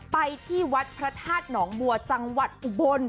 ไปที่วัดพระธาตุหนองบัวจังหวัดอุบล